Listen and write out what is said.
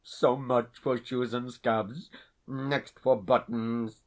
So much for shoes and scarves. Next, for buttons.